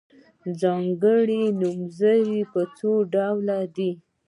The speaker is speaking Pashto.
ځانګړي نومځري په څو ډوله دي.